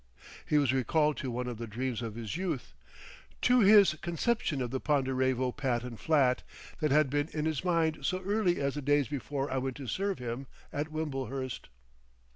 He was recalled to one of the dreams of his youth, to his conception of the Ponderevo Patent Flat that had been in his mind so early as the days before I went to serve him at Wimblehurst.